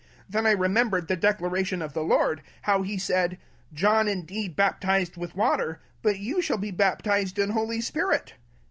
16 Then I remembered the word of the Lord, as he said, John indeed baptized in water; but ye shall be baptized in a loly spirit.'